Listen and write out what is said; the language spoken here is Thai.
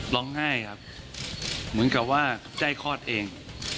ร้องไห้ครับเหมือนกับว่าใกล้คลอดเอง